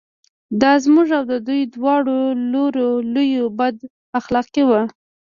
دا زموږ او د دوی دواړو لوریو لویه بد اخلاقي وه.